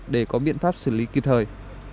để có biện pháp xử lý kịp thời